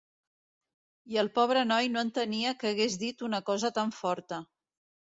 I el pobre noi no entenia que hagués dit una cosa tan forta.